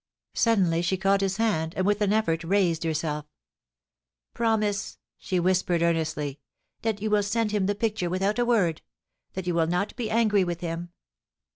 ...' Suddenly she caught his hand, and with an effort raised herself : 'Promise,' she whispered earnestly, 'that you will send him the picture without a word — that you will not be angry with him.